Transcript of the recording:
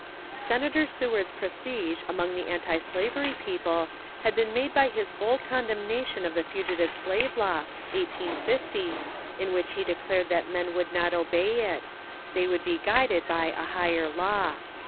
Senator Seward's prestige among the antislavery people had been made by his bold condemnation of the Fugitive Slave Law (1850), in which he declared that men would not obey it ; they would be guided by " a higher law."